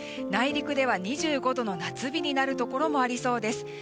内陸では２５度の夏日になるところもありそうです。